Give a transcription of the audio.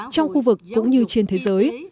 trong khu vực cũng như trên thế giới